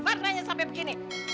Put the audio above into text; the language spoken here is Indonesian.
maksudnya sampai begini